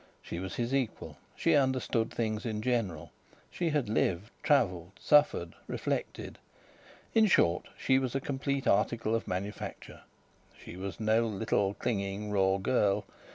She was his equal. She understood things in general. She had lived, travelled, suffered, reflected in short, she was a completed article of manufacture. She was no little, clinging, raw girl.